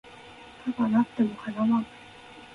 束なっても叶わん